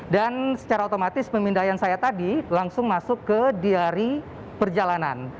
secara otomatis pemindaian saya tadi langsung masuk ke diari perjalanan